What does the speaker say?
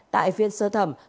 tại phiên sơ thẩm